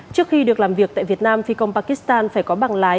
trước khi được làm việc tại việt nam phi công pakistan phải có bằng lái